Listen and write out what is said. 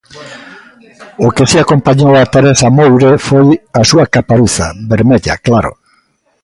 O que si acompañou a Teresa Moure foi a súa caparuza, vermella, claro.